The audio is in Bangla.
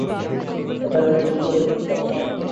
এটা একটা গুরুতর অপরাধ।